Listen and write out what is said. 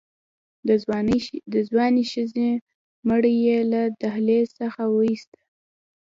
د ځوانې ښځې مړی يې له دهلېز څخه ووېسته.